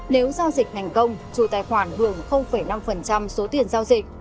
nếu giao dịch thành công chủ tài khoản hưởng năm số tiền giao dịch